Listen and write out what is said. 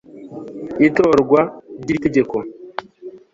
n itorwa by'iri itegeko